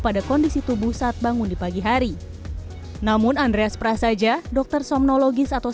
pada kondisi tubuh saat bangun di pagi hari namun andreas prasaja dokter somnologis atau